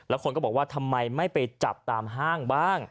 แล้วคนก็บอกว่าทำไมไม่ไปจับตามห้างบ้าง